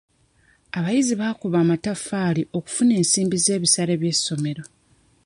Abayizi bakuba amataffaali okufuna ensimbi z'ebisale by'essomero.